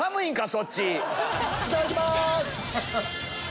いただきます！